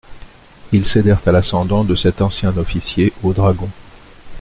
Ils cédèrent à l'ascendant de cet ancien officier aux dragons.